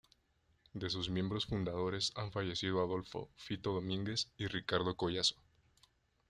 De sus miembros fundadores han fallecido Adolfo "Fito" Domínguez y Ricardo Collazo